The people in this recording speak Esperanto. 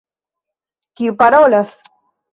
Kiu parolas?